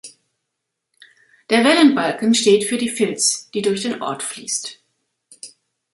Der Wellenbalken steht für die Fils, die durch den Ort fließt.